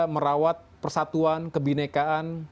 merawat persatuan kebinekaan